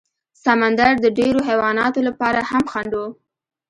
سمندر د ډېرو حیواناتو لپاره هم خنډ و.